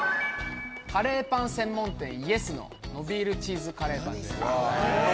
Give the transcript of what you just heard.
カレーパン専門店ＹＥＳ！ののびーるチーズカレーパンです。